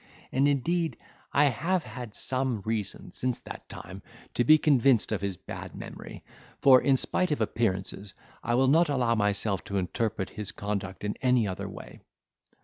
And indeed I have had some reason, since that time, to be convinced of his bad memory; for, in spite of appearances, I will not allow myself to interpret his conduct in any other way.